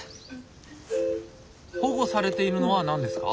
保護されているのは何ですか？